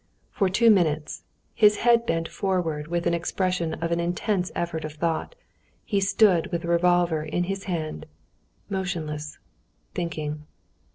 For two minutes, his head bent forward with an expression of an intense effort of thought, he stood with the revolver in his hand, motionless, thinking.